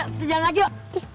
ini kita jalan lagi yuk